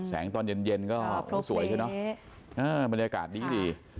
แสงตอนเย็นก็สวยใช่เนาะมันอากาศดีดี